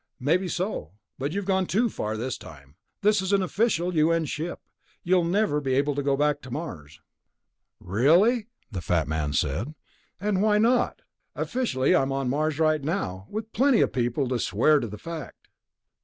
"Maybe so ... but you've gone too far this time. This is an official U.N. ship. You'll never be able to go back to Mars." "Really?" the fat man said. "And why not? Officially I'm on Mars right now, with plenty of people to swear to the fact."